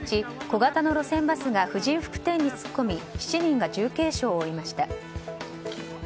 小型のバスが婦人服店に突っ込み７人が重軽傷を負いました。